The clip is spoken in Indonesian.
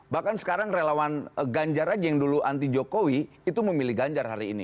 bahkan sekarang relawan ganjar aja yang dulu anti jokowi itu memilih ganjar hari ini